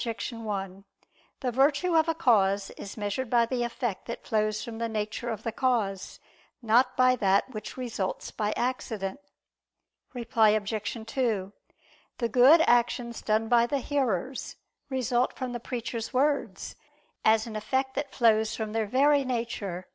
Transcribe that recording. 1: The virtue of a cause is measured by the effect that flows from the nature of the cause, not by that which results by accident. Reply Obj. 2: The good actions done by the hearers, result from the preacher's words, as an effect that flows from their very nature.